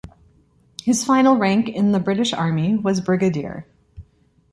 His final rank in the British Army was brigadier.